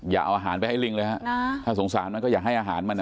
อย่าเอาอาหารไปให้ลิงเลยฮะถ้าสงสารมันก็อย่าให้อาหารมันอ่ะ